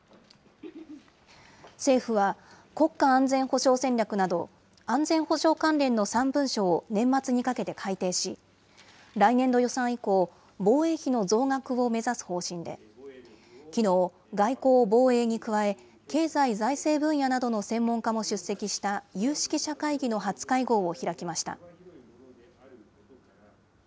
政府は、国家安全保障戦略など、安全保障関連の３文書を年末にかけて改定し、来年度予算以降、防衛費の増額を目指す方針で、きのう、外交・防衛に加え、経済・財政分野などの専門家も出席した有識者会議の初会合を開きました。